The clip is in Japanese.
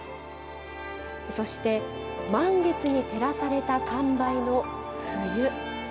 そして、満月に照らされた寒梅の冬。